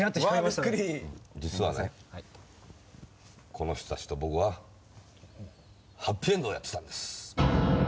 この人たちと僕ははっぴいえんどをやってたんです。